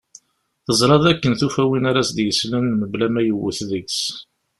Teẓra d akken tufa win ara as-d-yesslen mebla ma yewwet deg-s.